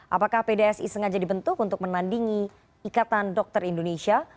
apakah pdsi sengaja dibentuk untuk menandingi ikatan dokter indonesia